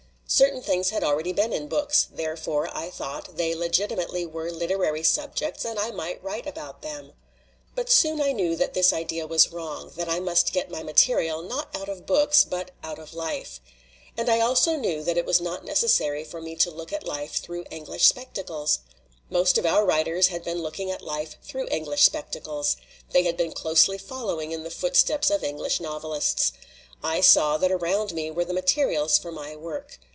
Certain things had already been in books; therefore, I thought, they legitimately were literary subjects and I might write about them. "But soon I knew that this idea was wrong, that I must get my material, not out of books, but out of life. And I also knew that it was not necessary for me to look at life through English spectacles. Most of our writers had been looking at life through English spectacles; they had been closely following in the footsteps of English 9 LITERATURE IN THE MAKING novelists. I saw that around me were the ma terials for my work.